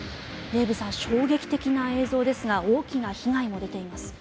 デーブさん、衝撃的な映像ですが大きな被害も出ています。